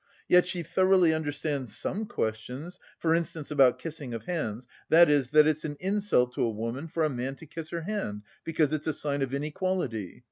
Yet she thoroughly understands some questions, for instance about kissing of hands, that is, that it's an insult to a woman for a man to kiss her hand, because it's a sign of inequality.